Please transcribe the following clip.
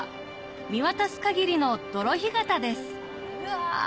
見渡す限りの泥干潟ですうわ。